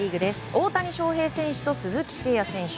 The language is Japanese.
大谷翔平選手と鈴木誠也選手。